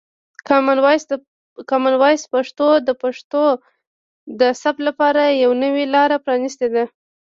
کامن وایس پښتو د پښتو د ثبت لپاره یوه نوې لاره پرانیستې ده.